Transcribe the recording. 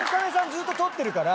ずっと撮ってるから。